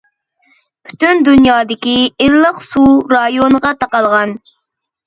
پۈتۈن دۇنيادىكى ئىللىق سۇ رايونىغا تارقالغان.